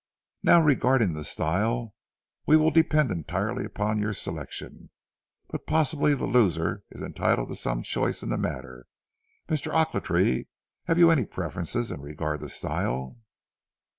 Now regarding the style, we will depend entirely upon your selection. But possibly the loser is entitled to some choice in the matter. Mr. Ochiltree, have you any preference in regard to style?'